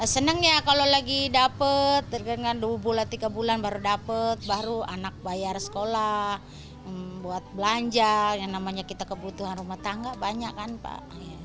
senang ya kalau lagi dapat dengan dua bulan tiga bulan baru dapat baru anak bayar sekolah buat belanja yang namanya kita kebutuhan rumah tangga banyak kan pak